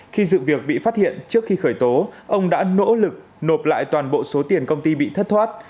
khi dự việc bị phát hiện trước khi khởi tố ông đã nỗ lực nộp lại toàn bộ số tiền công ty bị thất thoát